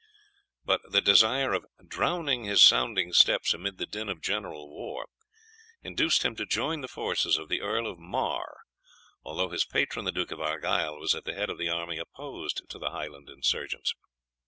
But the desire of "drowning his sounding steps amid the din of general war" induced him to join the forces of the Earl of Mar, although his patron the Duke of Argyle was at the head of the army opposed to the Highland insurgents.